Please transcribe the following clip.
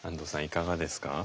いかがですか？